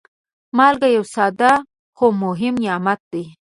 مالګه یو ساده، خو مهم نعمت دی.